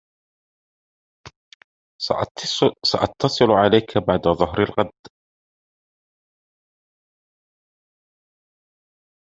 سأتصل عليك بعد ظهر الغد.